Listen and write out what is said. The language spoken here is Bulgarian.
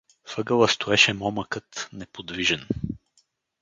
В ъгъла стоеше момъкът, неподвижен.